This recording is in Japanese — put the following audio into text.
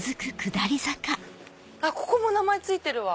あっここも名前付いてるわ！